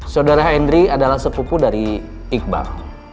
saudara hendry adalah sepupu dari iqbal